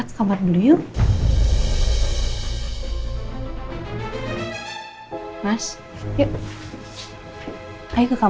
ayo kita main dulu di sekolah ya enggak ya